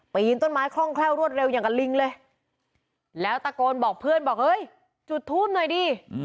ปีนต้นไม้คล่องแคล่วรวดเร็วอย่างกับลิงเลยแล้วตะโกนบอกเพื่อนบอกเฮ้ยจุดทูปหน่อยดิ